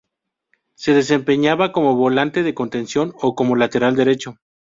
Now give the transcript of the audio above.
Se desempeñaba como volante de contención o como lateral derecho.